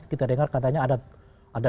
kita dengar katanya ada